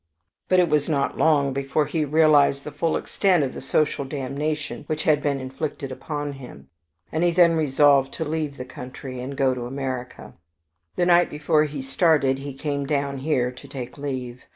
"But it was not long before he realized the full extent of the social damnation which had been inflicted upon him, and he then resolved to leave the country and go to America. The night before he started he came down here to take leave.